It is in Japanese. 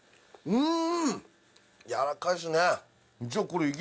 うん。